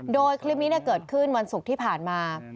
โดยคลิปนี้เกิดขึ้นวันศุกร์ที่ผ่านมา